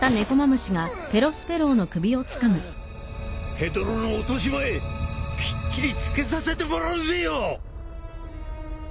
ペドロの落としまえきっちりつけさせてもらうぜよ！